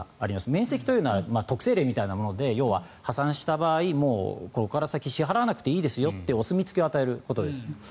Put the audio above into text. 免責というのは徳政令みたいなもので要は破産した場合にここから先は支払わなくていいですよとお墨付きを与えることです。